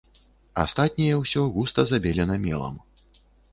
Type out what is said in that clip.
Астатняе ўсё густа забелена мелам.